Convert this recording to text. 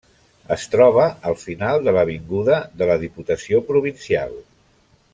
Es troba al final de l'avinguda de la Diputació Provincial.